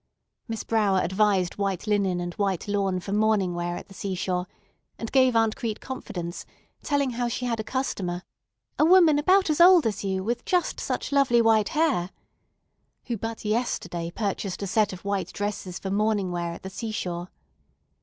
Miss Brower advised white linen and white lawn for morning wear at the seashore, and gave Aunt Crete confidence, telling how she had a customer, "a woman about as old as you, with just such lovely white hair," who but yesterday purchased a set of white dresses for morning wear at the seashore.